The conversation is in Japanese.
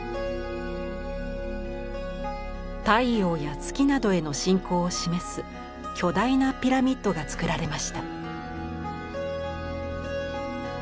太陽や月などへの信仰を示す巨大なピラミッドがつくられました。